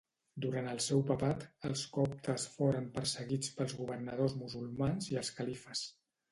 Durant el seu papat, els coptes foren perseguits pels governadors musulmans i els califes.